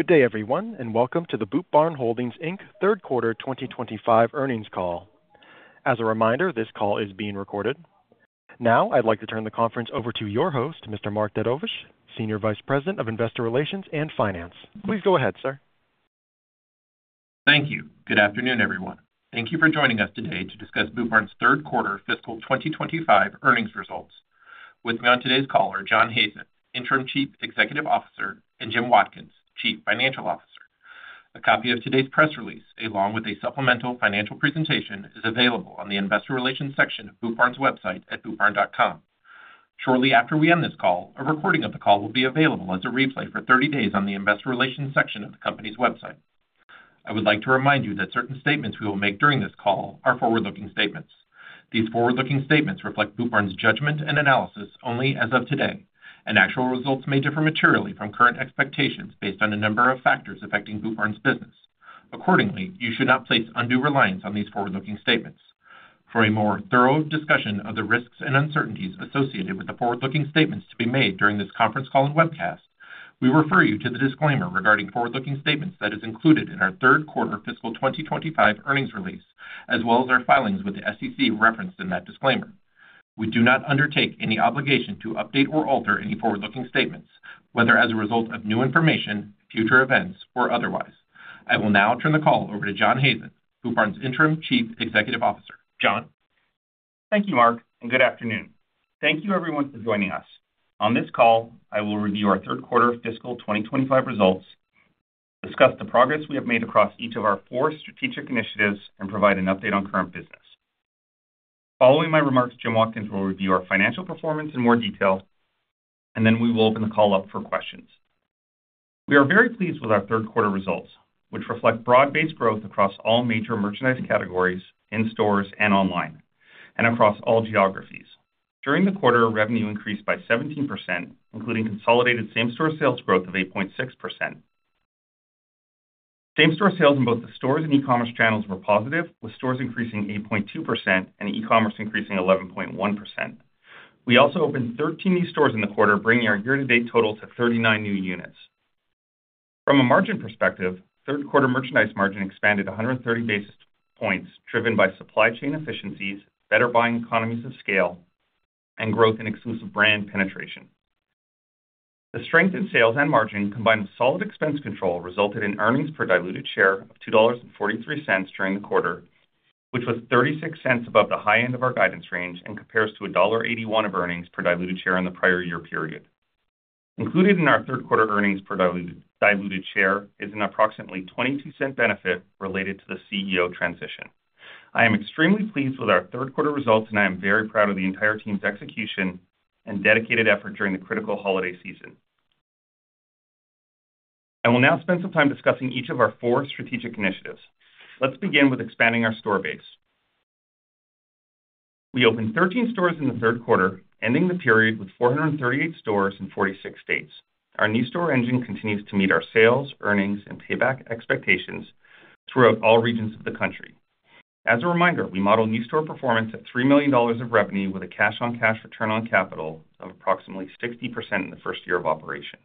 Good day, everyone, and welcome to the Boot Barn Holdings, Inc, Q3 2025 earnings call. As a reminder, this call is being recorded. Now, I'd like to turn the conference over to your host, Mr. Mark Dedovesh, Senior Vice President of Investor Relations and Finance. Please go ahead, sir. Thank you. Good afternoon, everyone. Thank you for joining us today to discuss Boot Barn's third quarter fiscal 2025 earnings results. With me on today's call are John Hazen, Interim Chief Executive Officer, and Jim Watkins, Chief Financial Officer. A copy of today's press release, along with a supplemental financial presentation, is available on the Investor Relations section of Boot Barn's website at bootbarn.com. Shortly after we end this call, a recording of the call will be available as a replay for 30 days on the Investor Relations section of the company's website. I would like to remind you that certain statements we will make during this call are forward-looking statements. These forward-looking statements reflect Boot Barn's judgment and analysis only as of today, and actual results may differ materially from current expectations based on a number of factors affecting Boot Barn's business. Accordingly, you should not place undue reliance on these forward-looking statements. For a more thorough discussion of the risks and uncertainties associated with the forward-looking statements to be made during this conference call and webcast, we refer you to the disclaimer regarding forward-looking statements that is included in our third quarter fiscal 2025 earnings release, as well as our filings with the SEC referenced in that disclaimer. We do not undertake any obligation to update or alter any forward-looking statements, whether as a result of new information, future events, or otherwise. I will now turn the call over to John Hazen, Boot Barn's Interim Chief Executive Officer. John? Thank you, Mark, and good afternoon. Thank you, everyone, for joining us. On this call, I will review our third quarter fiscal 2025 results, discuss the progress we have made across each of our four strategic initiatives, and provide an update on current business. Following my remarks, Jim Watkins will review our financial performance in more detail, and then we will open the call up for questions. We are very pleased with our third quarter results, which reflect broad-based growth across all major merchandise categories in stores and online, and across all geographies. During the quarter, revenue increased by 17%, including consolidated same-store sales growth of 8.6%. Same-store sales in both the stores and e-commerce channels were positive, with stores increasing 8.2% and e-commerce increasing 11.1%. We also opened 13 new stores in the quarter, bringing our year-to-date total to 39 new units. From a margin perspective, third quarter merchandise margin expanded 130 basis points, driven by supply chain efficiencies, better buying economies of scale, and growth in exclusive brand penetration. The strength in sales and margin, combined with solid expense control, resulted in earnings per diluted share of $2.43 during the quarter, which was $0.36 above the high end of our guidance range and compares to $1.81 of earnings per diluted share in the prior year period. Included in our third-quarter earnings per diluted share is an approximately $0.22 benefit related to the CEO transition. I am extremely pleased with our third quarter results, and I am very proud of the entire team's execution and dedicated effort during the critical holiday season. I will now spend some time discussing each of our four strategic initiatives. Let's begin with expanding our store base. We opened 13 stores in the third quarter, ending the period with 438 stores in 46 states. Our new store engine continues to meet our sales, earnings, and payback expectations throughout all regions of the country. As a reminder, we model new store performance at $3 million of revenue with a cash-on-cash return on capital of approximately 60% in the first year of operation.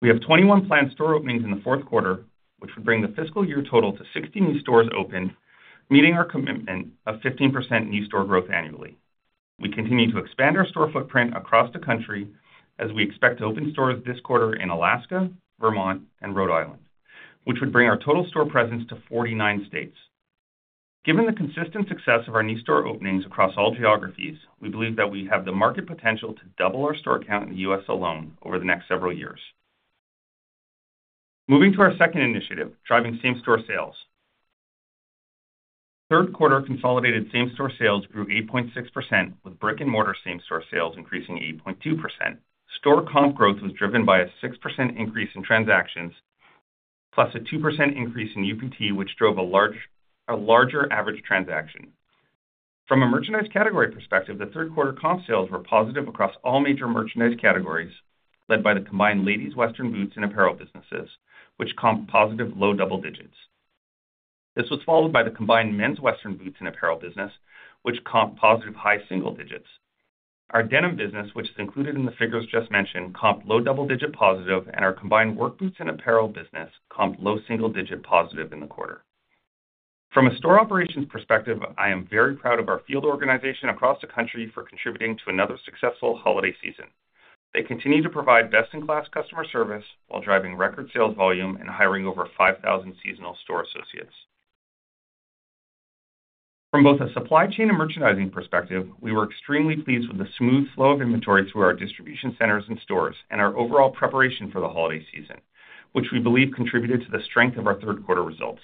We have 21 planned store openings in the fourth quarter, which would bring the fiscal year total to 60 new stores open, meeting our commitment of 15% new store growth annually. We continue to expand our store footprint across the country as we expect to open stores this quarter in Alaska, Vermont, and Rhode Island, which would bring our total store presence to 49 states. Given the consistent success of our new store openings across all geographies, we believe that we have the market potential to double our store count in the U.S. alone over the next several years. Moving to our second initiative, driving same-store sales. Third quarter consolidated same-store sales grew 8.6%, with brick-and-mortar same-store sales increasing 8.2%. Store comp growth was driven by a 6% increase in transactions, plus a 2% increase in UPT, which drove a larger average transaction. From a merchandise category perspective, the third-quarter comp sales were positive across all major merchandise categories, led by the combined ladies, western boots, and apparel businesses, which comped positive low double digits. This was followed by the combined men's western boots and apparel business, which comped positive high single digits. Our denim business, which is included in the figures just mentioned, comped low double-digit positive, and our combined work boots and apparel business comped low single digit positive in the quarter. From a store operations perspective, I am very proud of our field organization across the country for contributing to another successful holiday season. They continue to provide best-in-class customer service while driving record sales volume and hiring over 5,000 seasonal store associates. From both a supply chain and merchandising perspective, we were extremely pleased with the smooth flow of inventory through our distribution centers and stores and our overall preparation for the holiday season, which we believe contributed to the strength of our third-quarter results.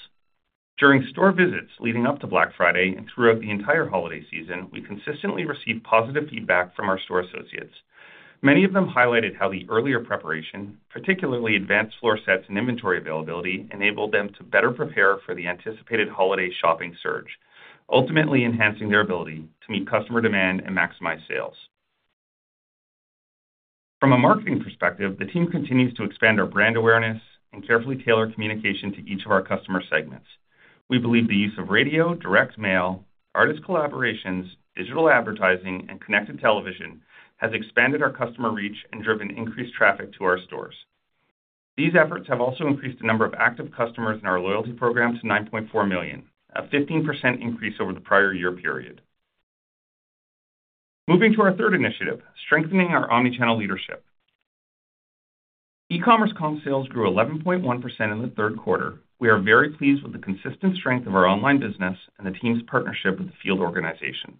During store visits leading up to Black Friday and throughout the entire holiday season, we consistently received positive feedback from our store associates. Many of them highlighted how the earlier preparation, particularly advanced floor sets and inventory availability, enabled them to better prepare for the anticipated holiday shopping surge, ultimately enhancing their ability to meet customer demand and maximize sales. From a marketing perspective, the team continues to expand our brand awareness and carefully tailor communication to each of our customer segments. We believe the use of radio, direct mail, artist collaborations, digital advertising, and connected television has expanded our customer reach and driven increased traffic to our stores. These efforts have also increased the number of active customers in our loyalty program to 9.4 million, a 15% increase over the prior year period. Moving to our third initiative, strengthening our omnichannel leadership. E-commerce comp sales grew 11.1% in the third quarter. We are very pleased with the consistent strength of our online business and the team's partnership with the field organization.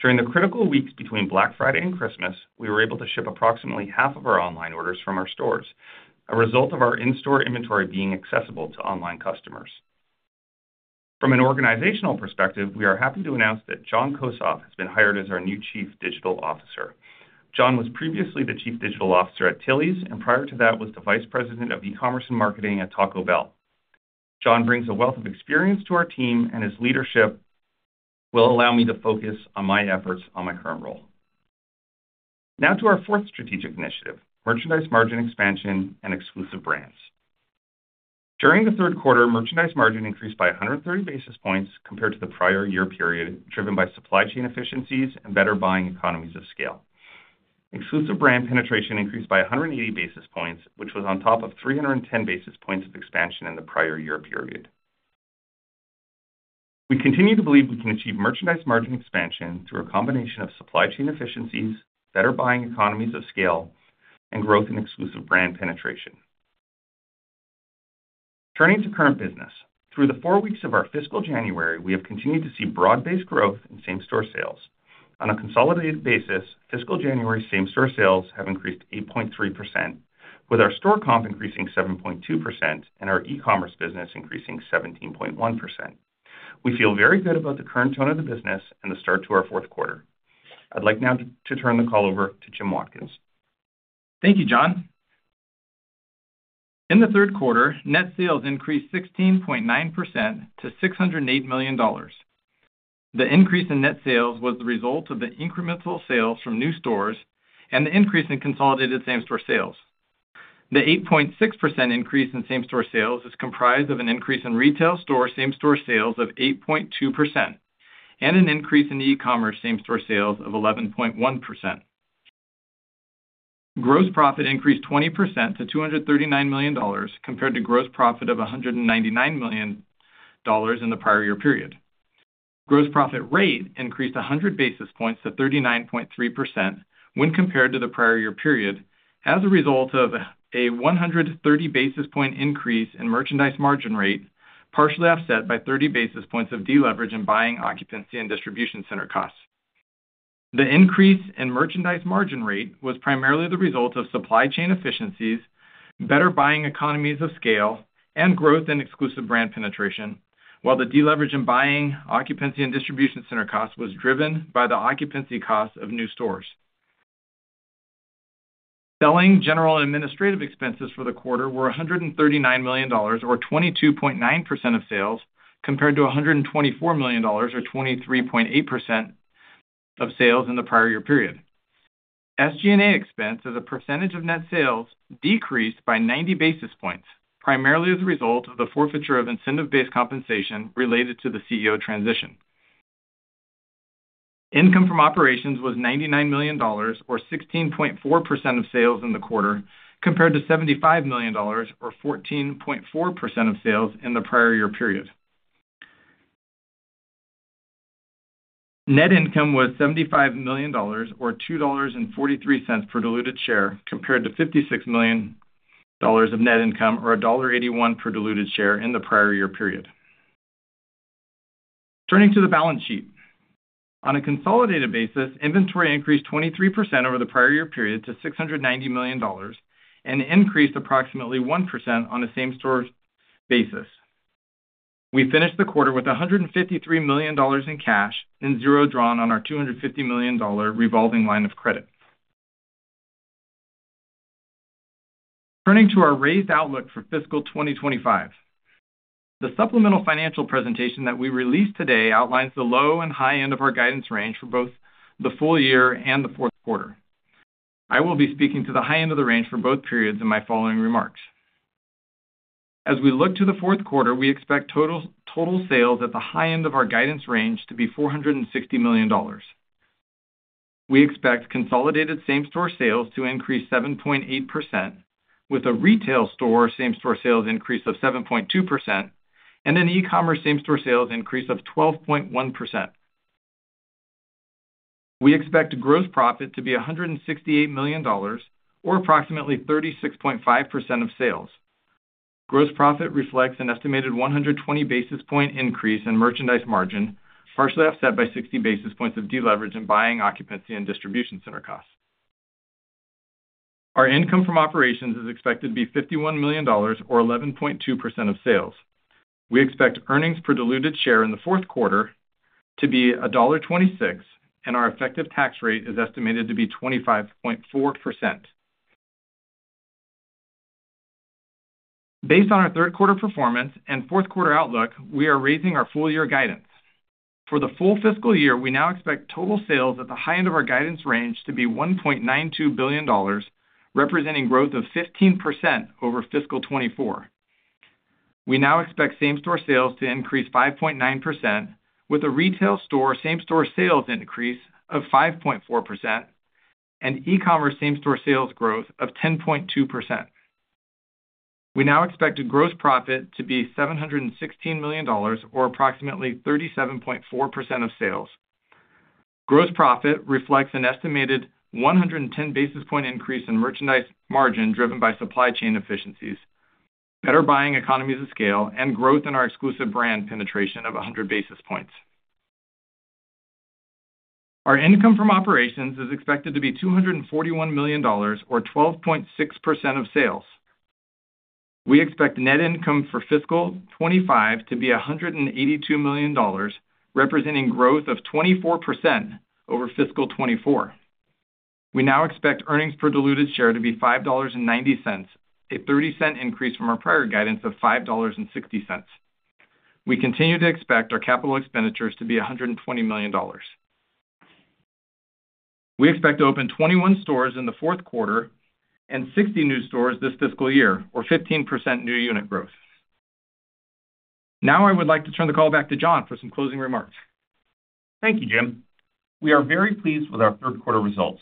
During the critical weeks between Black Friday and Christmas, we were able to ship approximately half of our online orders from our stores, a result of our in-store inventory being accessible to online customers. From an organizational perspective, we are happy to announce that Jon Kosoff has been hired as our new Chief Digital Officer. John was previously the Chief Digital Officer at Tilly's and prior to that was the Vice President of E-commerce and Marketing at Taco Bell. John brings a wealth of experience to our team, and his leadership will allow me to focus on my efforts on my current role. Now to our fourth strategic initiative, merchandise margin expansion and exclusive brands. During the third quarter, merchandise margin increased by 130 basis points compared to the prior year period, driven by supply chain efficiencies and better buying economies of scale. Exclusive brand penetration increased by 180 basis points, which was on top of 310 basis points of expansion in the prior year period. We continue to believe we can achieve merchandise margin expansion through a combination of supply chain efficiencies, better buying economies of scale, and growth in exclusive brand penetration. Turning to current business, through the four weeks of our fiscal January, we have continued to see broad-based growth in same-store sales. On a consolidated basis, fiscal January same-store sales have increased 8.3%, with our store comp increasing 7.2% and our e-commerce business increasing 17.1%. We feel very good about the current tone of the business and the start to our fourth quarter. I'd like now to turn the call over to Jim Watkins. Thank you, John. In the third quarter, net sales increased 16.9% to $608 million. The increase in net sales was the result of the incremental sales from new stores and the increase in consolidated same-store sales. The 8.6% increase in same-store sales is comprised of an increase in retail store same-store sales of 8.2% and an increase in e-commerce same-store sales of 11.1%. Gross profit increased 20% to $239 million compared to gross profit of $199 million in the prior year period. Gross profit rate increased 100 basis points to 39.3% when compared to the prior year period, as a result of a 130 basis point increase in merchandise margin rate, partially offset by 30 basis points of deleveraging buying occupancy and distribution center costs. The increase in merchandise margin rate was primarily the result of supply chain efficiencies, better buying economies of scale, and growth in exclusive brand penetration, while the deleveraging buying, occupancy, and distribution center costs was driven by the occupancy costs of new stores. Selling, general, and administrative expenses for the quarter were $139 million, or 22.9% of sales, compared to $124 million, or 23.8% of sales in the prior year period. SG&A expense as a percentage of net sales decreased by 90 basis points, primarily as a result of the forfeiture of incentive-based compensation related to the CEO transition. Income from operations was $99 million, or 16.4% of sales in the quarter, compared to $75 million, or 14.4% of sales in the prior year period. Net income was $75 million, or $2.43 per diluted share, compared to $56 million of net income, or $1.81 per diluted share in the prior year period. Turning to the balance sheet, on a consolidated basis, inventory increased 23% over the prior year period to $690 million and increased approximately 1% on a same-store basis. We finished the quarter with $153 million in cash and zero drawn on our $250 million revolving line of credit. Turning to our raised outlook for fiscal 2025, the supplemental financial presentation that we released today outlines the low and high end of our guidance range for both the full year and the fourth quarter. I will be speaking to the high end of the range for both periods in my following remarks. As we look to the fourth quarter, we expect total sales at the high end of our guidance range to be $460 million. We expect consolidated same-store sales to increase 7.8%, with a retail store same-store sales increase of 7.2% and an e-commerce same-store sales increase of 12.1%. We expect gross profit to be $168 million, or approximately 36.5% of sales. Gross profit reflects an estimated 120 basis point increase in merchandise margin, partially offset by 60 basis points of deleveraging buying occupancy and distribution center costs. Our income from operations is expected to be $51 million, or 11.2% of sales. We expect earnings per diluted share in the fourth quarter to be $1.26, and our effective tax rate is estimated to be 25.4%. Based on our third-quarter performance and fourth-quarter outlook, we are raising our full-year guidance. For the full fiscal year, we now expect total sales at the high end of our guidance range to be $1.92 billion, representing growth of 15% over fiscal 2024. We now expect same-store sales to increase 5.9%, with a retail store same-store sales increase of 5.4% and e-commerce same-store sales growth of 10.2%. We now expect gross profit to be $716 million, or approximately 37.4% of sales. Gross profit reflects an estimated 110 basis point increase in merchandise margin driven by supply chain efficiencies, better buying economies of scale, and growth in our exclusive brand penetration of 100 basis points. Our income from operations is expected to be $241 million, or 12.6% of sales. We expect net income for fiscal 2025 to be $182 million, representing growth of 24% over fiscal 2024. We now expect earnings per diluted share to be $5.90, a 30-cent increase from our prior guidance of $5.60. We continue to expect our capital expenditures to be $120 million. We expect to open 21 stores in the fourth quarter and 60 new stores this fiscal year, or 15% new unit growth. Now I would like to turn the call back to John for some closing remarks. Thank you, Jim. We are very pleased with our third quarter results,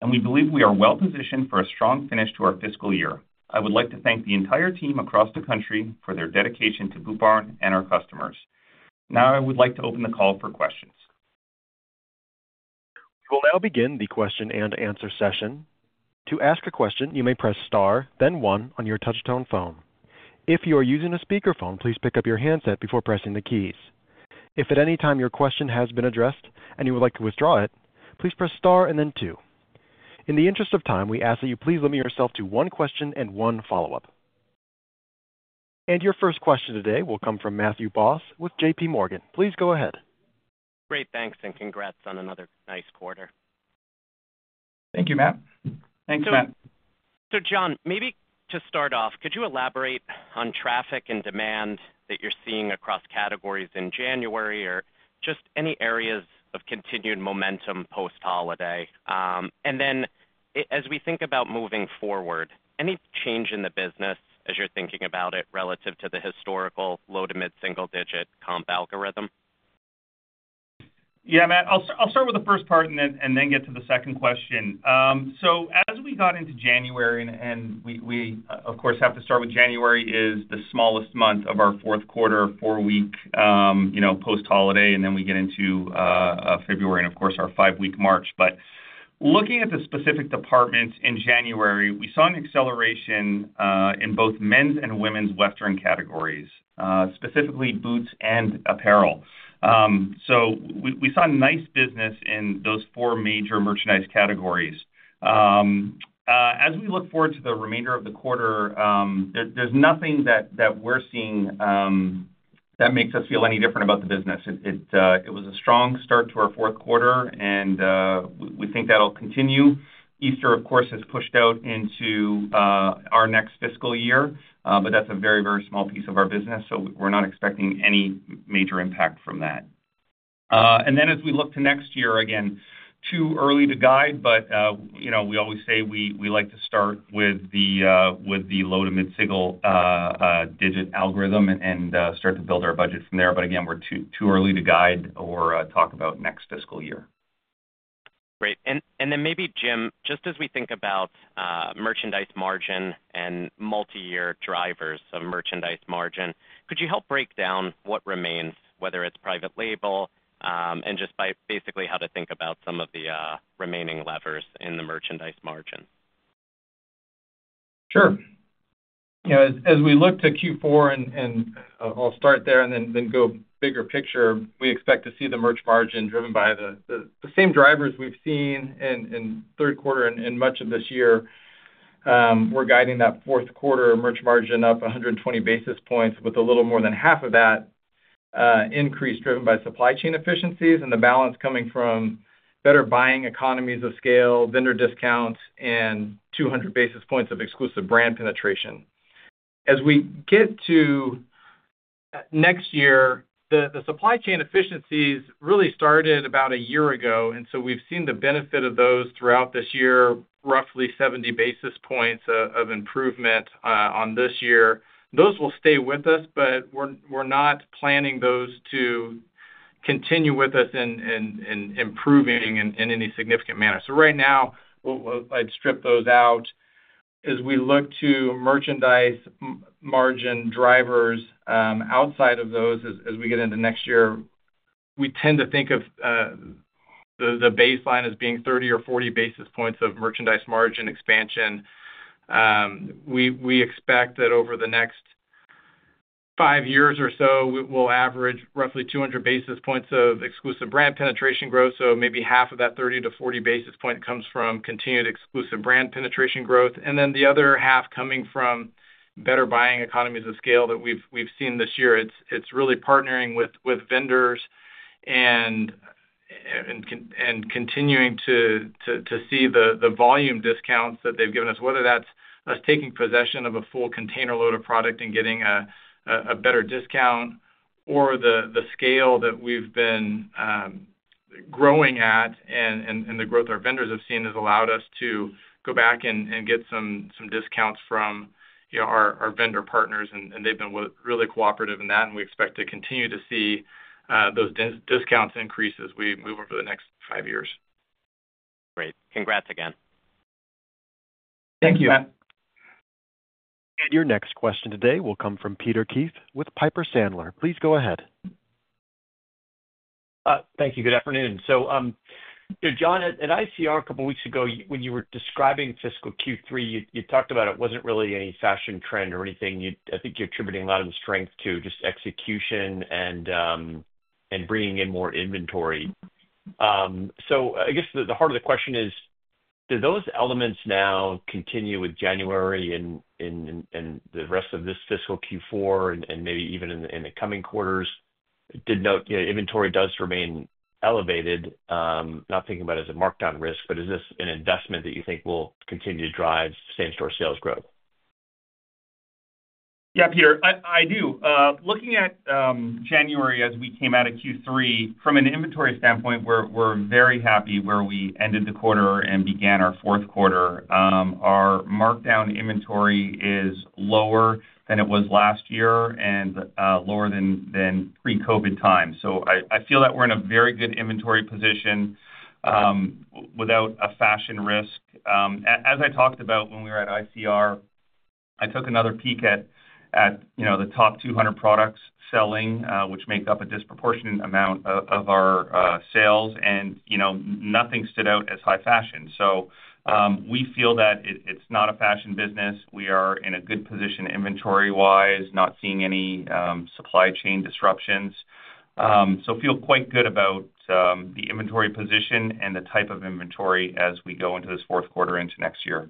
and we believe we are well positioned for a strong finish to our fiscal year. I would like to thank the entire team across the country for their dedication to Boot Barn and our customers. Now I would like to open the call for questions. We will now begin the question and answer session. To ask a question, you may press star, then one, on your touch-tone phone. If you are using a speakerphone, please pick up your handset before pressing the keys. If at any time your question has been addressed and you would like to withdraw it, please press star and then two. In the interest of time, we ask that you please limit yourself to one question and one follow-up. And your first question today will come from Matthew Boss with JPMorgan. Please go ahead. Great. Thanks, and congrats on another nice quarter. Thank you, Matt. Thanks, Matt. So, John, maybe to start off, could you elaborate on traffic and demand that you're seeing across categories in January or just any areas of continued momentum post-holiday? And then, as we think about moving forward, any change in the business as you're thinking about it relative to the historical low to mid-single-digit comp algorithm? Yeah, Matt. I'll start with the first part and then get to the second question. So, as we got into January, and we, of course, have to start with January, is the smallest month of our fourth quarter, four-week post-holiday, and then we get into February and, of course, our five-week March. But looking at the specific departments in January, we saw an acceleration in both men's and women's western categories, specifically boots and apparel. So, we saw nice business in those four major merchandise categories. As we look forward to the remainder of the quarter, there's nothing that we're seeing that makes us feel any different about the business. It was a strong start to our fourth quarter, and we think that'll continue. Easter, of course, has pushed out into our next fiscal year, but that's a very, very small piece of our business, so we're not expecting any major impact from that. And then, as we look to next year, again, too early to guide, but we always say we like to start with the low to mid-single-digit assumption and start to build our budget from there. But again, we're too early to guide or talk about next fiscal year. Great. And then maybe, Jim, just as we think about merchandise margin and multi-year drivers of merchandise margin, could you help break down what remains, whether it's private label and just basically how to think about some of the remaining levers in the merchandise margin? Sure. As we look to Q4, and I'll start there and then go bigger picture, we expect to see the merch margin driven by the same drivers we've seen in third quarter and much of this year. We're guiding that fourth quarter merch margin up 120 basis points, with a little more than half of that increase driven by supply chain efficiencies and the balance coming from better buying economies of scale, vendor discounts, and 200 basis points of exclusive brand penetration. As we get to next year, the supply chain efficiencies really started about a year ago, and so we've seen the benefit of those throughout this year, roughly 70 basis points of improvement on this year. Those will stay with us, but we're not planning those to continue with us in improving in any significant manner. So, right now, I'd strip those out. As we look to merchandise margin drivers outside of those as we get into next year, we tend to think of the baseline as being 30 or 40 basis points of merchandise margin expansion. We expect that over the next five years or so, we'll average roughly 200 basis points of exclusive brand penetration growth. So, maybe half of that 30 to 40 basis points comes from continued exclusive brand penetration growth, and then the other half coming from better buying economies of scale that we've seen this year. It's really partnering with vendors and continuing to see the volume discounts that they've given us, whether that's us taking possession of a full container load of product and getting a better discount, or the scale that we've been growing at and the growth our vendors have seen has allowed us to go back and get some discounts from our vendor partners. And they've been really cooperative in that, and we expect to continue to see those discounts increase as we move over the next five years. Great. Congrats again. Thank you, Matt. Your next question today will come from Peter Keith with Piper Sandler. Please go ahead. Thank you. Good afternoon. So, John, at ICR a couple of weeks ago, when you were describing fiscal Q3, you talked about it wasn't really any fashion trend or anything. I think you're attributing a lot of the strength to just execution and bringing in more inventory. So, I guess the heart of the question is, do those elements now continue with January and the rest of this fiscal Q4 and maybe even in the coming quarters? Inventory does remain elevated, not thinking about it as a markdown risk, but is this an investment that you think will continue to drive same-store sales growth? Yeah, Peter, I do. Looking at January as we came out of Q3, from an inventory standpoint, we're very happy where we ended the quarter and began our fourth quarter. Our markdown inventory is lower than it was last year and lower than pre-COVID times. So, I feel that we're in a very good inventory position without a fashion risk. As I talked about when we were at ICR, I took another peek at the top 200 products selling, which make up a disproportionate amount of our sales, and nothing stood out as high fashion. So, we feel that it's not a fashion business. We are in a good position inventory-wise, not seeing any supply chain disruptions. So, I feel quite good about the inventory position and the type of inventory as we go into this fourth quarter into next year.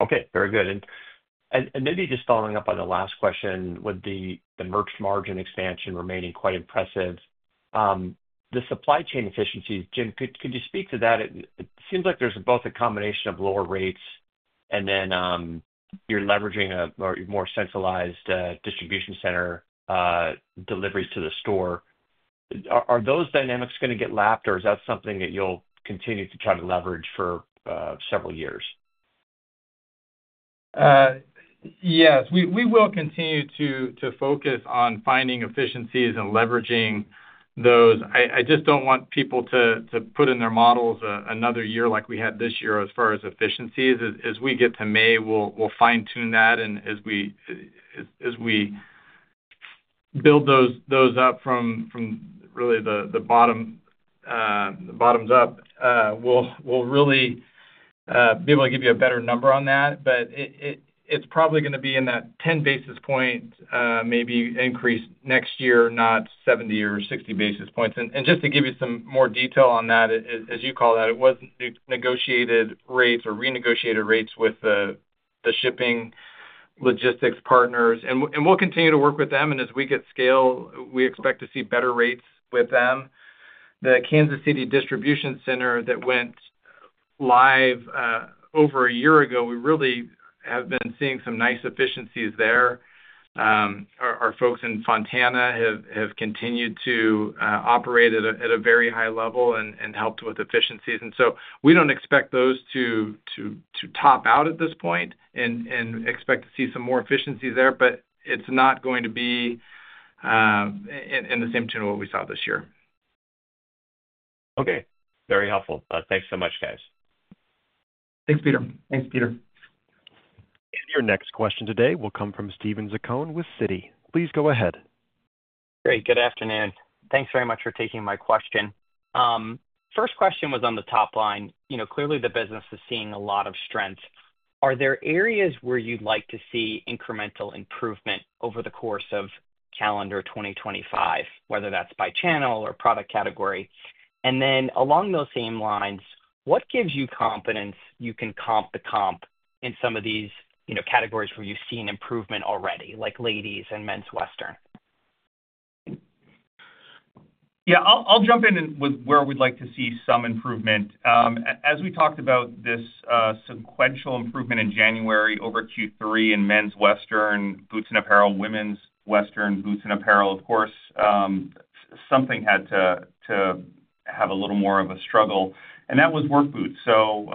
Okay. Very good. And maybe just following up on the last question, with the merch margin expansion remaining quite impressive, the supply chain efficiencies, Jim, could you speak to that? It seems like there's both a combination of lower rates and then you're leveraging a more centralized distribution center deliveries to the store. Are those dynamics going to get lapped, or is that something that you'll continue to try to leverage for several years? Yes. We will continue to focus on finding efficiencies and leveraging those. I just don't want people to put in their models another year like we had this year as far as efficiencies. As we get to May, we'll fine-tune that, and as we build those up from really the bottoms up, we'll really be able to give you a better number on that. But it's probably going to be in that 10 basis point maybe increase next year, not 70 or 60 basis points. And just to give you some more detail on that, as you call that, it was negotiated rates or renegotiated rates with the shipping logistics partners. And we'll continue to work with them, and as we get scale, we expect to see better rates with them. The Kansas City distribution center that went live over a year ago, we really have been seeing some nice efficiencies there. Our folks in Fontana have continued to operate at a very high level and helped with efficiencies. And so, we don't expect those to top out at this point and expect to see some more efficiencies there, but it's not going to be in the same vein of what we saw this year. Okay. Very helpful. Thanks so much, guys. Thanks, Peter. Thanks, Peter. Your next question today will come from Steven Zaccone with Citi. Please go ahead. Great. Good afternoon. Thanks very much for taking my question. First question was on the top line. Clearly, the business is seeing a lot of strength. Are there areas where you'd like to see incremental improvement over the course of calendar 2025, whether that's by channel or product category? And then, along those same lines, what gives you confidence you can comp the comp in some of these categories where you've seen improvement already, like ladies and men's western? Yeah. I'll jump in with where we'd like to see some improvement. As we talked about this sequential improvement in January over Q3 in men's western, boots and apparel, women's western, boots and apparel, of course, something had to have a little more of a struggle. And that was work boots. So,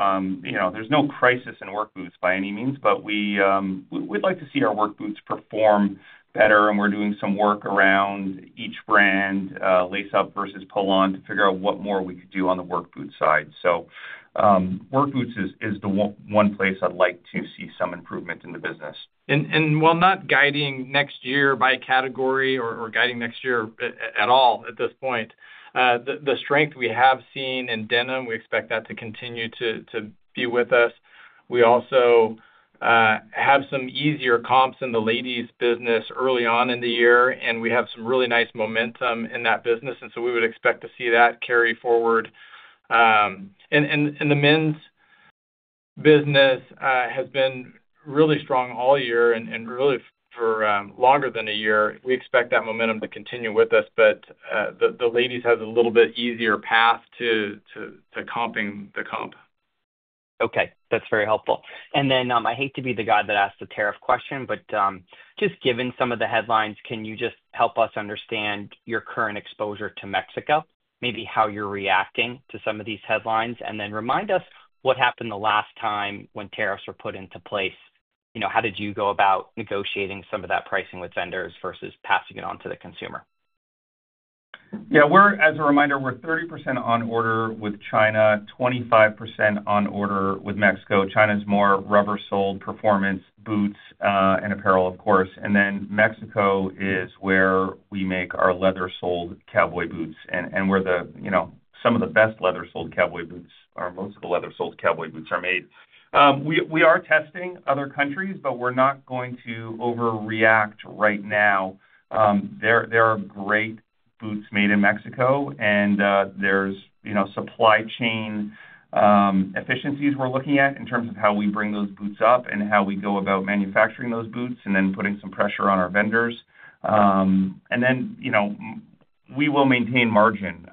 there's no crisis in work boots by any means, but we'd like to see our work boots perform better, and we're doing some work around each brand, lace-up versus pull-on, to figure out what more we could do on the work boot side. So, work boots is the one place I'd like to see some improvement in the business. And while not guiding next year by category or guiding next year at all at this point, the strength we have seen in denim, we expect that to continue to be with us. We also have some easier comps in the ladies' business early on in the year, and we have some really nice momentum in that business, and so, we would expect to see that carry forward, and the men's business has been really strong all year and really for longer than a year. We expect that momentum to continue with us, but the ladies have a little bit easier path to comping the comp. Okay. That's very helpful. And then, I hate to be the guy that asks the tariff question, but just given some of the headlines, can you just help us understand your current exposure to Mexico, maybe how you're reacting to some of these headlines, and then remind us what happened the last time when tariffs were put into place? How did you go about negotiating some of that pricing with vendors versus passing it on to the consumer? Yeah. As a reminder, we're 30% on order with China, 25% on order with Mexico. China's more rubber-soled performance boots and apparel, of course. And then, Mexico is where we make our leather-soled cowboy boots and where some of the best leather-soled cowboy boots or most of the leather-soled cowboy boots are made. We are testing other countries, but we're not going to overreact right now. There are great boots made in Mexico, and there's supply chain efficiencies we're looking at in terms of how we bring those boots up and how we go about manufacturing those boots and then putting some pressure on our vendors. And then, we will maintain margin.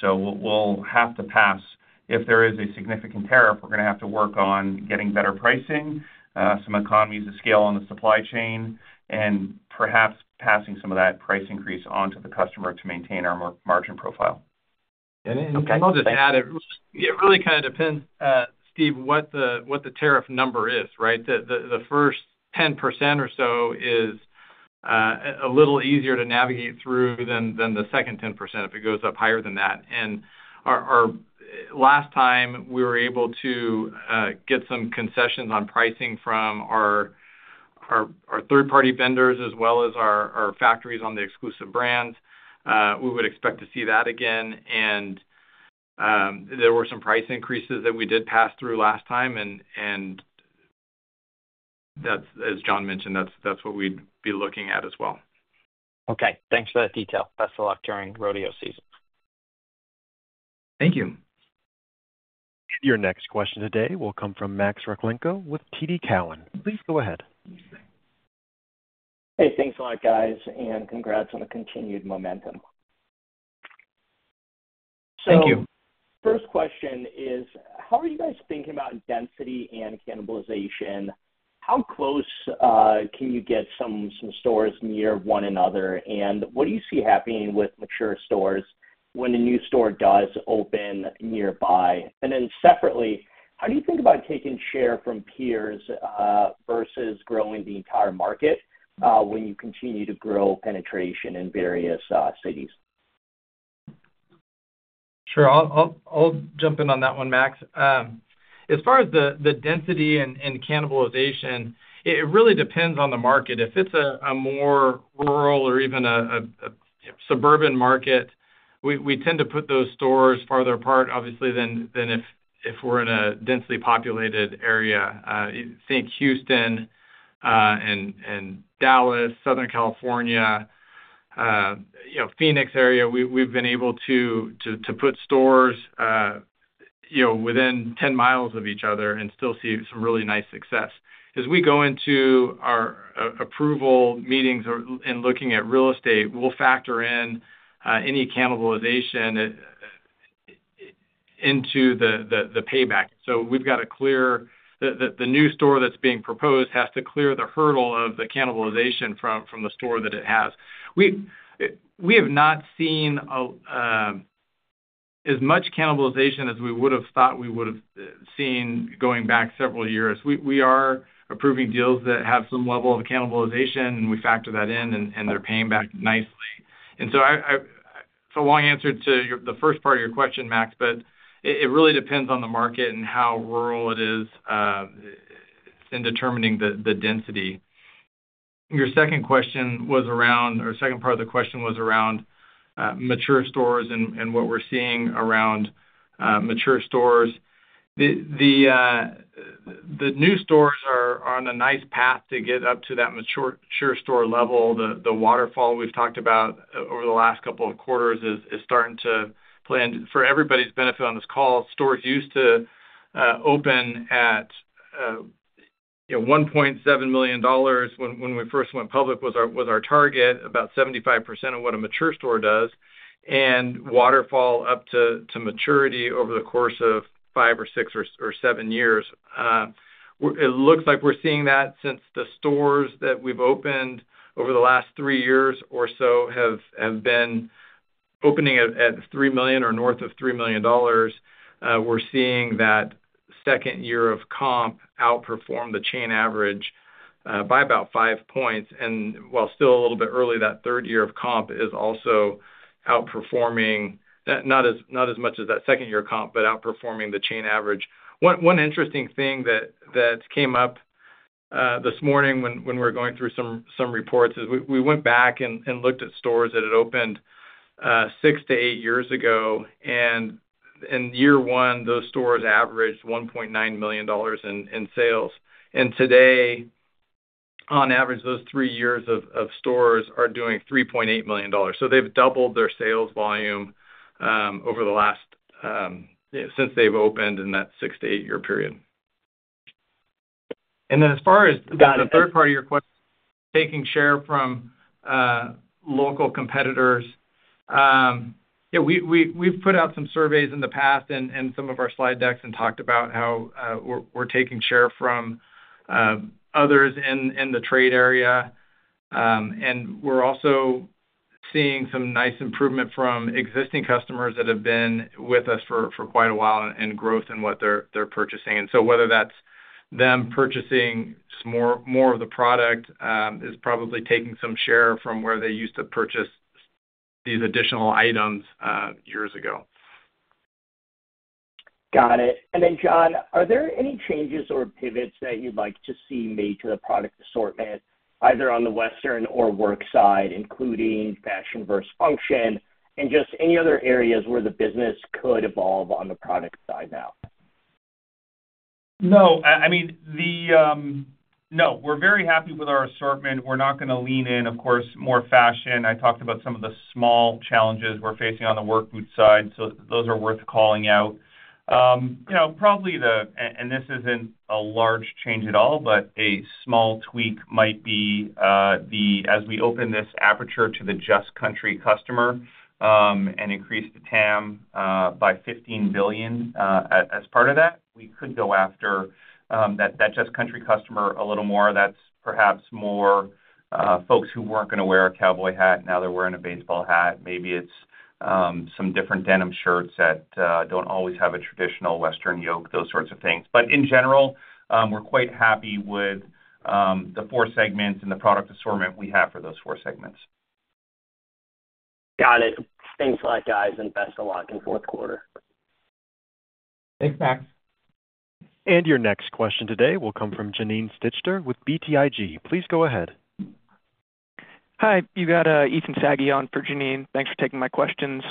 So, we'll have to pass. If there is a significant tariff, we're going to have to work on getting better pricing, some economies of scale on the supply chain, and perhaps passing some of that price increase onto the customer to maintain our margin profile. And I'll just add, it really kind of depends, Steve, what the tariff number is, right? The first 10% or so is a little easier to navigate through than the second 10% if it goes up higher than that. And last time, we were able to get some concessions on pricing from our third-party vendors as well as our factories on the exclusive brands. We would expect to see that again. And there were some price increases that we did pass through last time. And as John mentioned, that's what we'd be looking at as well. Okay. Thanks for that detail. Best of luck during rodeo season. Thank you. Your next question today will come from Max Rakhlenko with TD Cowen. Please go ahead. Hey, thanks a lot, guys, and congrats on the continued momentum. Thank you. First question is, how are you guys thinking about density and cannibalization? How close can you get some stores near one another? And what do you see happening with mature stores when a new store does open nearby? And then separately, how do you think about taking share from peers versus growing the entire market when you continue to grow penetration in various cities? Sure. I'll jump in on that one, Max. As far as the density and cannibalization, it really depends on the market. If it's a more rural or even a suburban market, we tend to put those stores farther apart, obviously, than if we're in a densely populated area. Think Houston and Dallas, Southern California, Phoenix area. We've been able to put stores within 10 miles of each other and still see some really nice success. As we go into our approval meetings and looking at real estate, we'll factor in any cannibalization into the payback. So we've got a clear the new store that's being proposed has to clear the hurdle of the cannibalization from the store that it has. We have not seen as much cannibalization as we would have thought we would have seen going back several years. We are approving deals that have some level of cannibalization, and we factor that in, and they're paying back nicely. And so, it's a long answer to the first part of your question, Max, but it really depends on the market and how rural it is in determining the density. Your second question was around or second part of the question was around mature stores and what we're seeing around mature stores. The new stores are on a nice path to get up to that mature store level. The waterfall we've talked about over the last couple of quarters is starting to play into for everybody's benefit on this call. Stores used to open at $1.7 million when we first went public was our target, about 75% of what a mature store does, and waterfall up to maturity over the course of five or six or seven years. It looks like we're seeing that since the stores that we've opened over the last three years or so have been opening at $3 million or north of $3 million. We're seeing that second year of comp outperform the chain average by about five points, while still a little bit early, that third year of comp is also outperforming, not as much as that second year of comp, but outperforming the chain average. One interesting thing that came up this morning when we were going through some reports is we went back and looked at stores that had opened six to eight years ago, in year one, those stores averaged $1.9 million in sales. And today, on average, those three years of stores are doing $3.8 million. So they've doubled their sales volume over the last since they've opened in that six to eight-year period. And then as far as the third part of your question, taking share from local competitors, yeah, we've put out some surveys in the past and some of our slide decks and talked about how we're taking share from others in the trade area. And we're also seeing some nice improvement from existing customers that have been with us for quite a while and growth in what they're purchasing. And so, whether that's them purchasing more of the product is probably taking some share from where they used to purchase these additional items years ago. Got it. And then, John, are there any changes or pivots that you'd like to see made to the product assortment, either on the western or work side, including fashion versus function, and just any other areas where the business could evolve on the product side now? No. I mean, no, we're very happy with our assortment. We're not going to lean in, of course, more fashion. I talked about some of the small challenges we're facing on the work boot side. So those are worth calling out. Probably, and this isn't a large change at all, but a small tweak might be as we open this aperture to the Just Country customer and increase the TAM by 15 billion as part of that. We could go after that Just Country customer a little more. That's perhaps more folks who weren't going to wear a cowboy hat. Now they're wearing a baseball hat. Maybe it's some different denim shirts that don't always have a traditional western yoke, those sorts of things. But in general, we're quite happy with the four segments and the product assortment we have for those four segments. Got it. Thanks a lot, guys, and best of luck in fourth quarter. Thanks, Max. Your next question today will come from Janine Stichter with BTIG. Please go ahead. Hi. You got Ethan Saghi on for Janine. Thanks for taking my questions.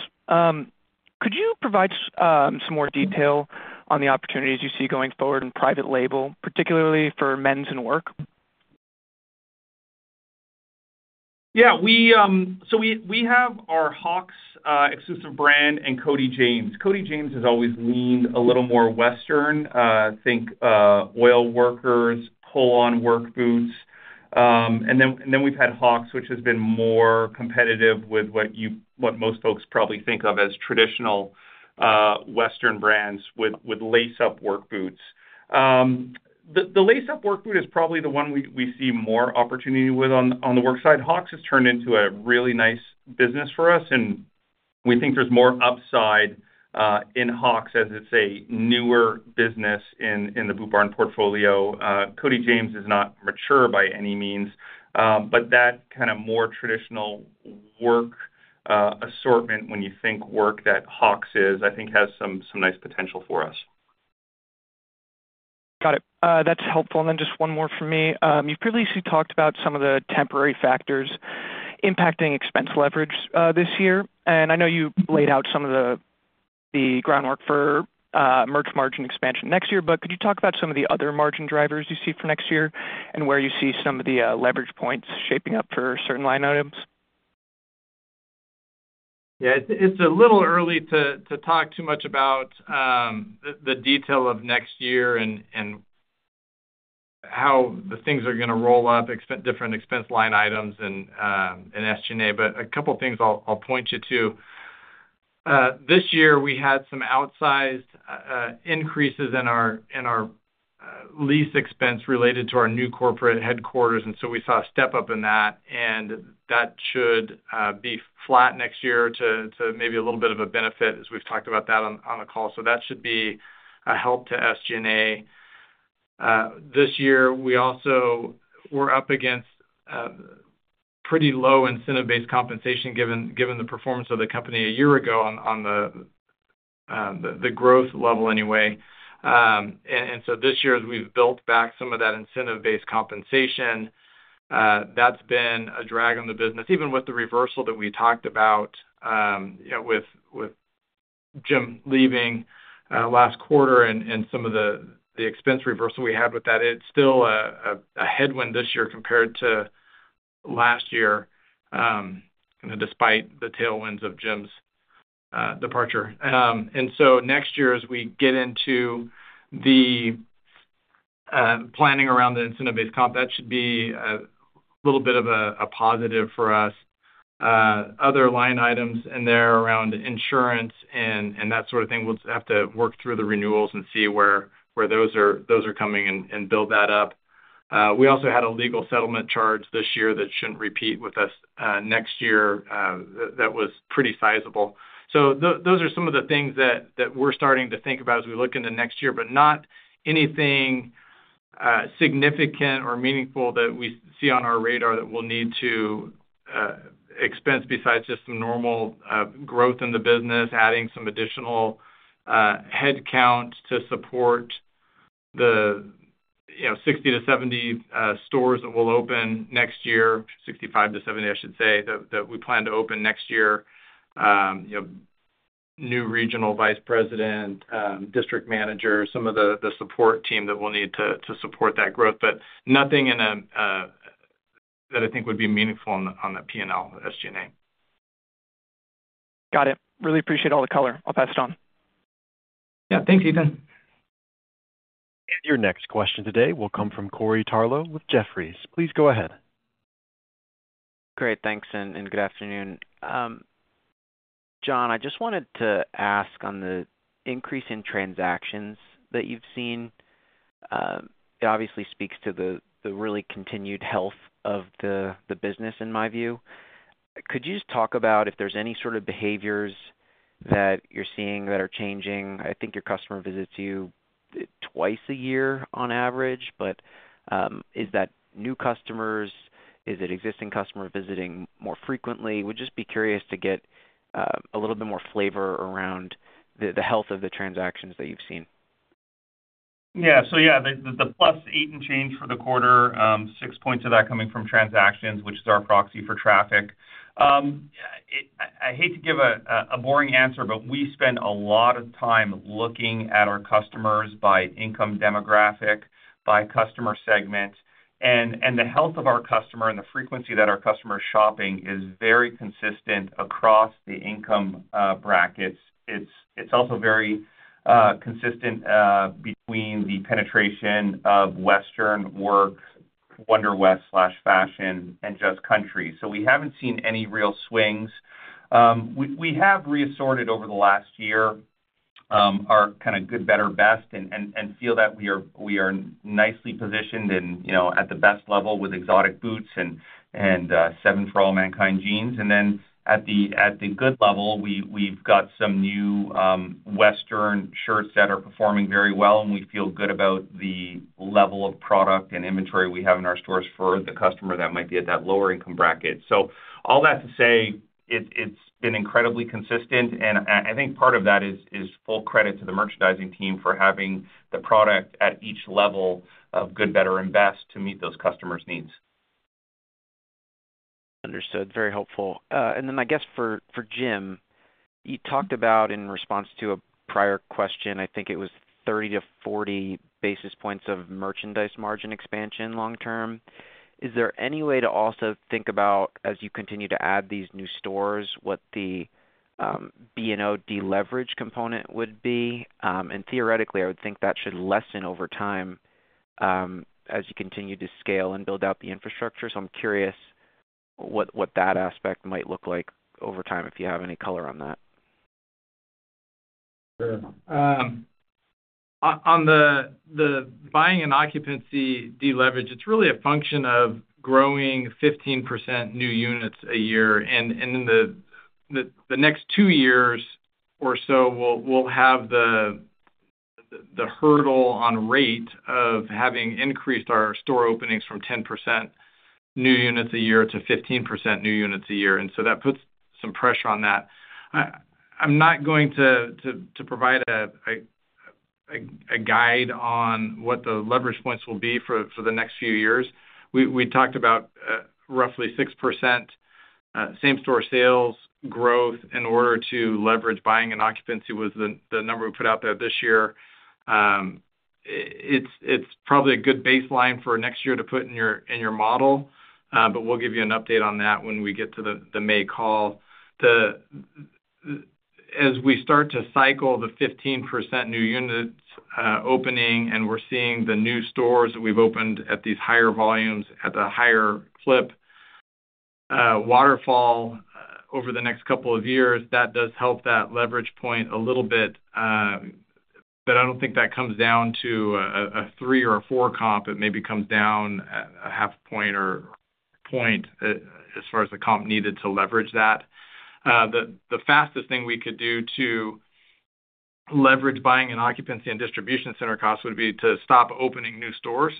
Could you provide some more detail on the opportunities you see going forward in private label, particularly for men's and work? Yeah. So we have our Hawx exclusive brand and Cody James. Cody James has always leaned a little more western. Think oil workers, pull-on work boots. And then we've had Hawx, which has been more competitive with what most folks probably think of as traditional western brands with lace-up work boots. The lace-up work boot is probably the one we see more opportunity with on the work side. Hawx has turned into a really nice business for us, and we think there's more upside in Hawx as it's a newer business in the Boot Barn portfolio. Cody James is not mature by any means, but that kind of more traditional work assortment, when you think work, that Hawx is, I think has some nice potential for us. Got it. That's helpful. And then just one more from me. You previously talked about some of the temporary factors impacting expense leverage this year. And I know you laid out some of the groundwork for merch margin expansion next year, but could you talk about some of the other margin drivers you see for next year and where you see some of the leverage points shaping up for certain line items? Yeah. It's a little early to talk too much about the detail of next year and how the things are going to roll up, different expense line items in SG&A. But a couple of things I'll point you to. This year, we had some outsized increases in our lease expense related to our new corporate headquarters. And so, we saw a step up in that, and that should be flat next year to maybe a little bit of a benefit as we've talked about that on the call. So that should be a help to SG&A. This year, we also were up against pretty low incentive-based compensation given the performance of the company a year ago on the growth level anyway. And so, this year, as we've built back some of that incentive-based compensation, that's been a drag on the business. Even with the reversal that we talked about with Jim leaving last quarter and some of the expense reversal we had with that, it's still a headwind this year compared to last year, despite the tailwinds of Jim's departure. And so, next year, as we get into the planning around the incentive-based comp, that should be a little bit of a positive for us. Other line items in there around insurance and that sort of thing, we'll have to work through the renewals and see where those are coming and build that up. We also had a legal settlement charge this year that shouldn't repeat with us next year that was pretty sizable. So those are some of the things that we're starting to think about as we look into next year, but not anything significant or meaningful that we see on our radar that we'll need to expense besides just some normal growth in the business, adding some additional headcount to support the 60-70 stores that we'll open next year, 65-70, I should say, that we plan to open next year, new regional vice president, district manager, some of the support team that we'll need to support that growth, but nothing that I think would be meaningful on the P&L SG&A. Got it. Really appreciate all the color. I'll pass it on. Yeah. Thanks, Ethan. Your next question today will come from Corey Tarlowe with Jefferies. Please go ahead. Great. Thanks. And good afternoon. John, I just wanted to ask on the increase in transactions that you've seen. It obviously speaks to the really continued health of the business, in my view. Could you just talk about if there's any sort of behaviors that you're seeing that are changing? I think your customer visits you twice a year on average, but is that new customers? Is it existing customers visiting more frequently? Would just be curious to get a little bit more flavor around the health of the transactions that you've seen. Yeah. So yeah, the plus eight and change for the quarter, six points of that coming from transactions, which is our proxy for traffic. I hate to give a boring answer, but we spend a lot of time looking at our customers by income demographic, by customer segment. And the health of our customer and the frequency that our customers are shopping is very consistent across the income brackets. It's also very consistent between the penetration of western work, Wonderwest/fashion, and Just Country. So we haven't seen any real swings. We have reassorted over the last year our kind of good, better, best and feel that we are nicely positioned and at the best level with exotic boots and 7 For All Mankind jeans. And then at the good level, we've got some new western shirts that are performing very well, and we feel good about the level of product and inventory we have in our stores for the customer that might be at that lower income bracket. So all that to say, it's been incredibly consistent. And I think part of that is full credit to the merchandising team for having the product at each level of good, better, and best to meet those customers' needs. Understood. Very helpful. And then I guess for Jim, you talked about in response to a prior question, I think it was 30-40 basis points of merchandise margin expansion long-term. Is there any way to also think about, as you continue to add these new stores, what the B&O deleverage component would be? And theoretically, I would think that should lessen over time as you continue to scale and build out the infrastructure. So I'm curious what that aspect might look like over time if you have any color on that. Sure. On the buying and occupancy deleverage, it's really a function of growing 15% new units a year. And in the next two years or so, we'll have the hurdle rate of having increased our store openings from 10% new units a year to 15% new units a year. And so that puts some pressure on that. I'm not going to provide a guide on what the leverage points will be for the next few years. We talked about roughly 6% same-store sales growth in order to leverage buying and occupancy, was the number we put out there this year. It's probably a good baseline for next year to put in your model, but we'll give you an update on that when we get to the May call. As we start to cycle the 15% new units opening and we're seeing the new stores that we've opened at these higher volumes at the higher flip waterfall over the next couple of years, that does help that leverage point a little bit. But I don't think that comes down to a three or a four comp. It maybe comes down a half point or point as far as the comp needed to leverage that. The fastest thing we could do to leverage buying, occupancy, and distribution center costs would be to stop opening new stores.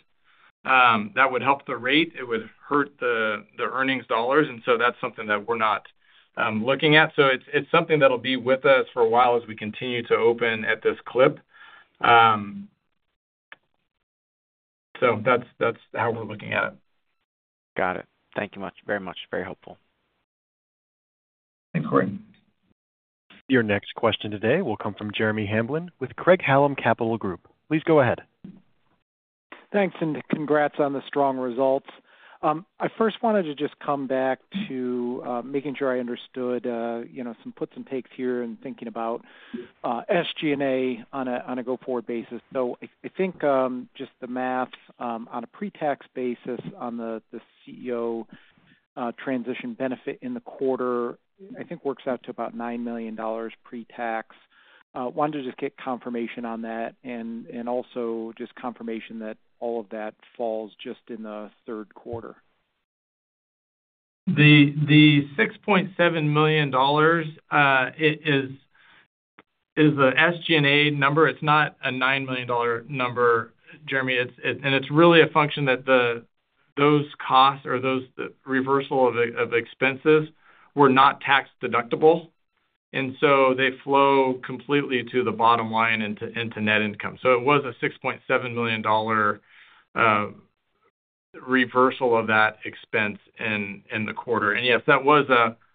That would help the rate. It would hurt the earnings dollars. And so that's something that we're not looking at. So it's something that'll be with us for a while as we continue to open at this clip. So that's how we're looking at it. Got it. Thank you very much. Very helpful. Thanks, Corey. Your next question today will come from Jeremy Hamblin with Craig-Hallum Capital Group. Please go ahead. Thanks. And congrats on the strong results. I first wanted to just come back to making sure I understood some puts and takes here and thinking about SG&A on a go-forward basis. So I think just the math on a pre-tax basis on the CEO transition benefit in the quarter, I think works out to about $9 million pre-tax. Wanted to just get confirmation on that and also just confirmation that all of that falls just in the third quarter. The $6.7 million is the SG&A number. It's not a $9 million number, Jeremy, and it's really a function that those costs or those reversal of expenses were not tax-deductible, and so they flow completely to the bottom line into net income, so it was a $6.7 million reversal of that expense in the quarter, and yes, that was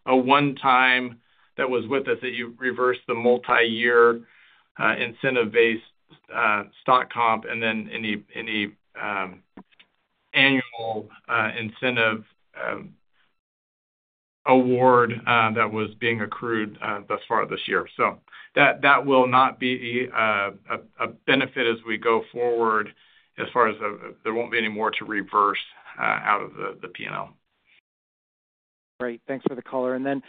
a one-time that was with us that you reversed the multi-year incentive-based stock comp and then any annual incentive award that was being accrued thus far this year, so that will not be a benefit as we go forward as far as there won't be any more to reverse out of the P&L. Great. Thanks for the color. And then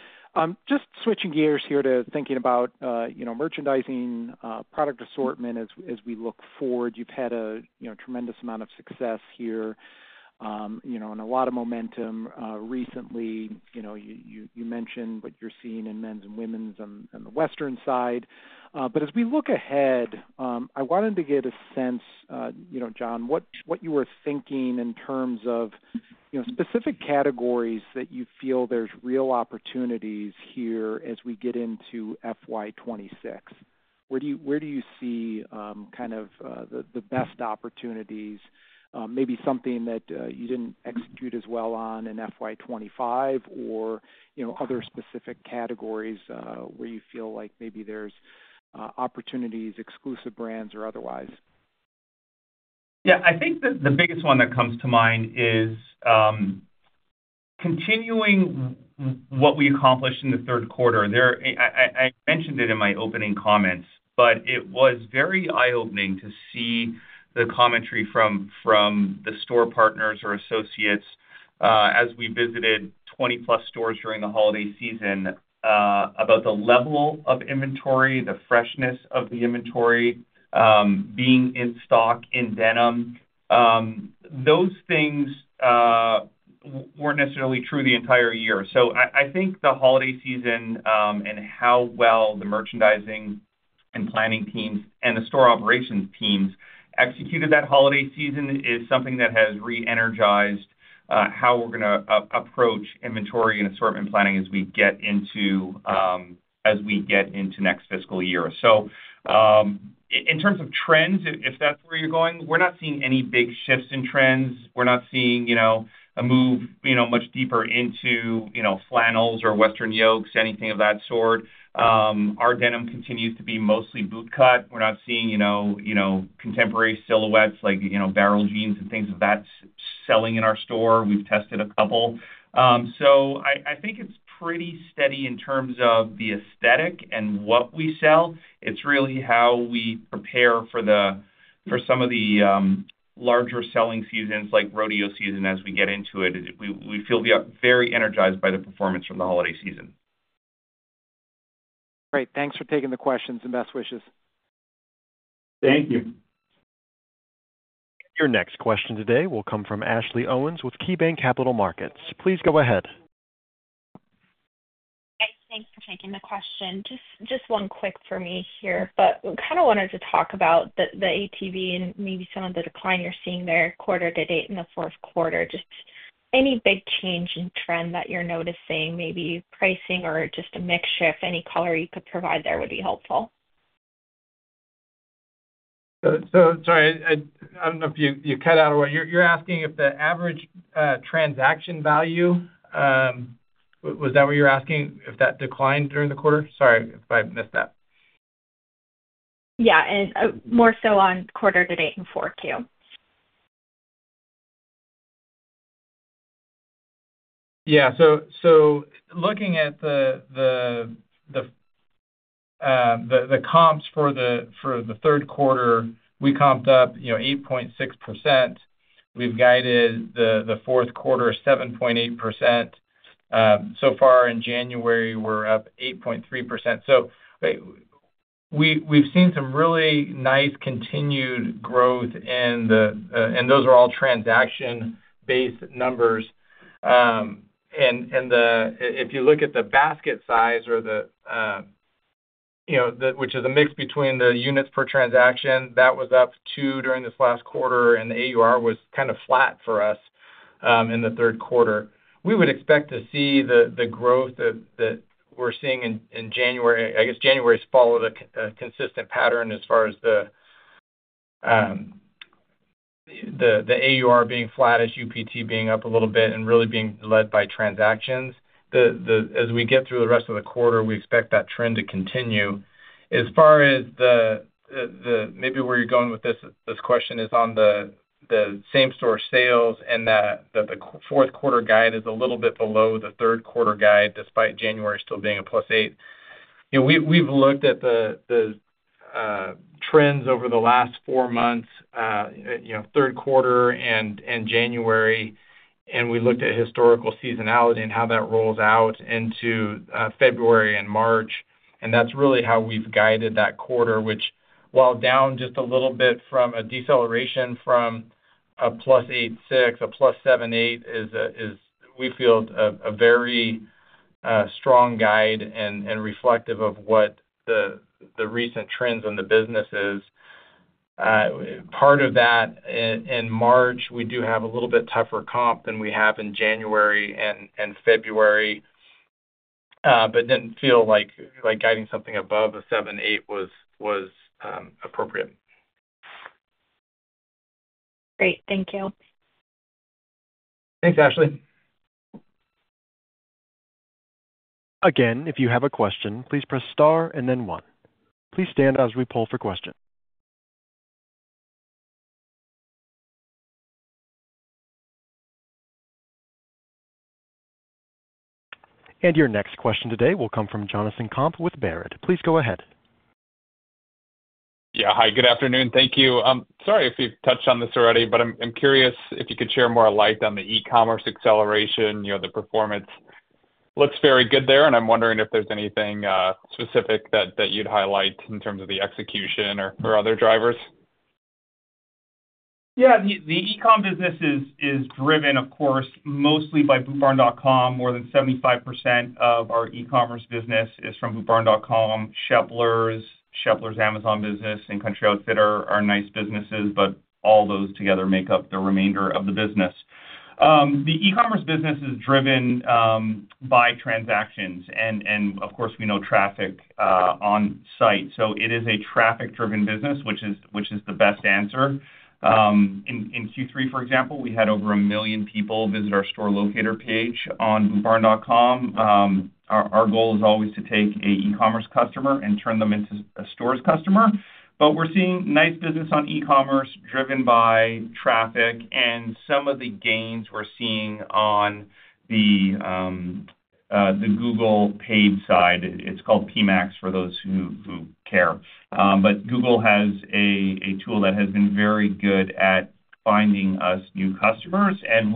just switching gears here to thinking about merchandising product assortment as we look forward. You've had a tremendous amount of success here and a lot of momentum recently. You mentioned what you're seeing in men's and women's on the western side. But as we look ahead, I wanted to get a sense, John, what you were thinking in terms of specific categories that you feel there's real opportunities here as we get into FY 2026. Where do you see kind of the best opportunities? Maybe something that you didn't execute as well on in FY 2025 or other specific categories where you feel like maybe there's opportunities, exclusive brands, or otherwise? Yeah. I think the biggest one that comes to mind is continuing what we accomplished in the third quarter. I mentioned it in my opening comments, but it was very eye-opening to see the commentary from the store partners or associates as we visited 20+ stores during the holiday season about the level of inventory, the freshness of the inventory, being in stock in denim. Those things weren't necessarily true the entire year. So I think the holiday season and how well the merchandising and planning teams and the store operations teams executed that holiday season is something that has re-energized how we're going to approach inventory and assortment planning as we get into next fiscal year. So in terms of trends, if that's where you're going, we're not seeing any big shifts in trends. We're not seeing a move much deeper into flannels or western yokes, anything of that sort. Our denim continues to be mostly boot cut. We're not seeing contemporary silhouettes like barrel jeans and things of that selling in our store. We've tested a couple. So I think it's pretty steady in terms of the aesthetic and what we sell. It's really how we prepare for some of the larger selling seasons like rodeo season as we get into it. We feel very energized by the performance from the holiday season. Great. Thanks for taking the questions and best wishes. Thank you. Your next question today will come from Ashley Owens with KeyBanc Capital Markets. Please go ahead. Thanks for taking the question. Just one quick for me here, but kind of wanted to talk about the ATV and maybe some of the decline you're seeing there quarter to date in the fourth quarter. Just any big change in trend that you're noticing, maybe pricing or just a mixture of any color you could provide there would be helpful. Sorry, I don't know if you cut out away. You're asking if the average transaction value, was that what you're asking, if that declined during the quarter? Sorry if I missed that. Yeah, and more so on quarter-to-date and 4Q. Yeah. So looking at the comps for the third quarter, we comped up 8.6%. We've guided the fourth quarter 7.8%. So far in January, we're up 8.3%. So we've seen some really nice continued growth, and those are all transaction-based numbers. And if you look at the basket size or the which is a mix between the units per transaction, that was up two during this last quarter, and the AUR was kind of flat for us in the third quarter. We would expect to see the growth that we're seeing in January. I guess January's followed a consistent pattern as far as the AUR being flat, UPT being up a little bit, and really being led by transactions. As we get through the rest of the quarter, we expect that trend to continue. As far as maybe where you're going with this question is on the same-store sales and that the fourth quarter guide is a little bit below the third quarter guide despite January still being a 8%+. We've looked at the trends over the last four months, third quarter and January, and we looked at historical seasonality and how that rolls out into February and March. And that's really how we've guided that quarter, which while down just a little bit from a deceleration from a 8.6%+, 7.8%+, we feel a very strong guide and reflective of what the recent trends in the business is. Part of that in March, we do have a little bit tougher comp than we have in January and February, but didn't feel like guiding something above a 7.8+% was appropriate. Great. Thank you. Thanks, Ashley. Again, if you have a question, please press star and then one. Please stand by as we poll for questions. Your next question today will come from Jonathan Komp with Baird. Please go ahead. Yeah. Hi, good afternoon. Thank you. Sorry if you've touched on this already, but I'm curious if you could share more light on the e-commerce acceleration, the performance. Looks very good there, and I'm wondering if there's anything specific that you'd highlight in terms of the execution or other drivers. Yeah. The e-com business is driven, of course, mostly by BootBarn.com. More than 75% of our e-commerce business is from BootBarn.com. Sheplers, Sheplers Amazon business, and Country Outfitter are nice businesses, but all those together make up the remainder of the business. The e-commerce business is driven by transactions. And of course, we know traffic on site. So it is a traffic-driven business, which is the best answer. In Q3, for example, we had over a million people visit our store locator page on BootBarn.com. Our goal is always to take an e-commerce customer and turn them into a stores customer. But we're seeing nice business on e-commerce driven by traffic and some of the gains we're seeing on the Google paid side. It's called PMax for those who care. But Google has a tool that has been very good at finding us new customers and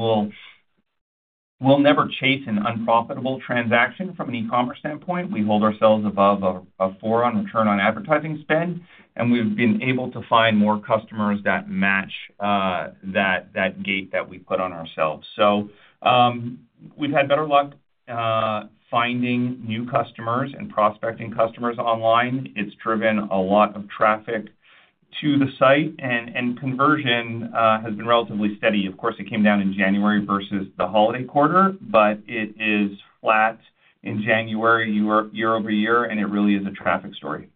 will never chase an unprofitable transaction from an e-commerce standpoint. We hold ourselves above a four on return on advertising spend, and we've been able to find more customers that match that gate that we put on ourselves. So we've had better luck finding new customers and prospecting customers online. It's driven a lot of traffic to the site, and conversion has been relatively steady. Of course, it came down in January versus the holiday quarter, but it is flat in January year over year, and it really is a traffic story.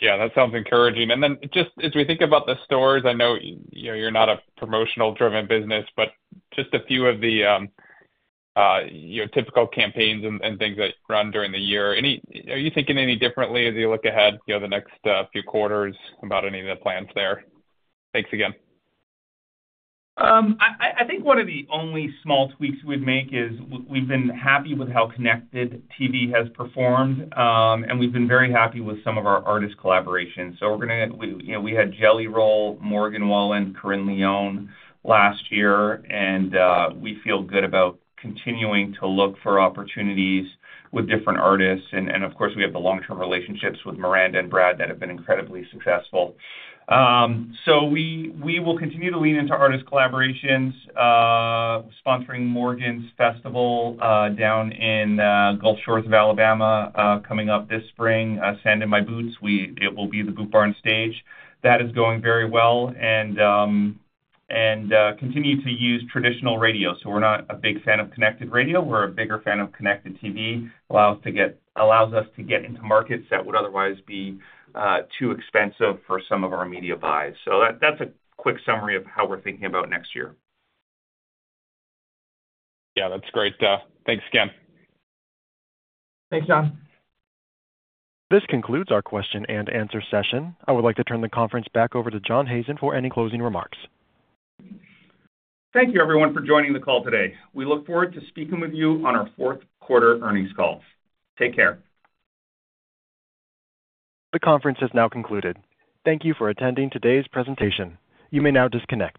Yeah. That sounds encouraging. And then just as we think about the stores, I know you're not a promotional-driven business, but just a few of the typical campaigns and things that run during the year. Are you thinking any differently as you look ahead the next few quarters about any of the plans there? Thanks again. I think one of the only small tweaks we'd make is we've been happy with how Connected TV has performed, and we've been very happy with some of our artist collaborations. We had Jelly Roll, Morgan Wallen, Carin Leon last year, and we feel good about continuing to look for opportunities with different artists. Of course, we have the long-term relationships with Miranda and Brad that have been incredibly successful. We will continue to lean into artist collaborations, sponsoring Morgan's Festival down in Gulf Shores, Alabama coming up this spring, Sand In My Boots. It will be the Boot Barn Stage. That is going very well and continue to use traditional radio. We're not a big fan of Connected Radio. We're a bigger fan of Connected TV. It allows us to get into markets that would otherwise be too expensive for some of our media buys. So that's a quick summary of how we're thinking about next year. Yeah. That's great. Thanks again. Thanks, John. This concludes our question and answer session. I would like to turn the conference back over to John Hazen for any closing remarks. Thank you, everyone, for joining the call today. We look forward to speaking with you on our fourth quarter earnings call. Take care. The conference has now concluded. Thank you for attending today's presentation. You may now disconnect.